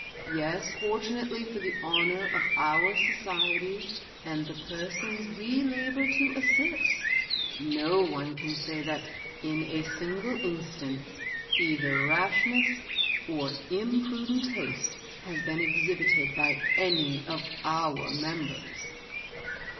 Yes, fortunately for the honor of our society and the persons we labor to assist, no one can say that, in a single instance, either rashness or impru dent haste has been exhibited by any of our mem bers."